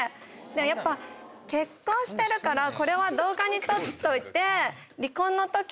やっぱ結婚してるからこれは動画に撮っといて。